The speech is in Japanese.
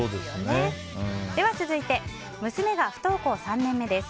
続いて、娘が不登校３年目です。